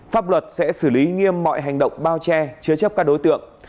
pháp luật sẽ xử lý nghiêm mọi hành động bao che chứa chấp các đối tượng